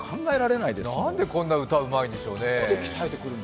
なんでこんな歌、うまいんでしょうねえ